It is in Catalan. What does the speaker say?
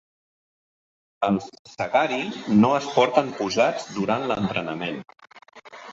Els "sagari" no es porten posats durant l'entrenament.